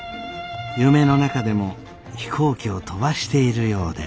夢の中でも飛行機を飛ばしているようで。